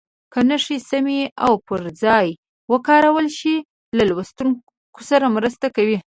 که نښې سمې او پر ځای وکارول شي له لوستونکي سره مرسته کوي.